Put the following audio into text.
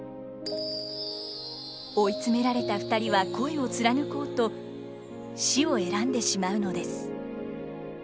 追い詰められた２人は恋を貫こうと死を選んでしまうのです。